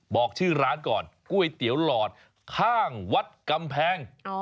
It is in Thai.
บอกชื่อร้านก่อนก๋วยเตี๋ยวหลอดข้างวัดกำแพง